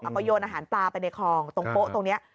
แล้วก็โยนอาหารปลาไปในคลองตรงโป๊ะตรงนี้